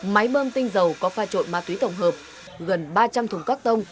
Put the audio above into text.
máy bơm tinh dầu có pha trộn ma túy tổng hợp gần ba trăm linh thùng các tông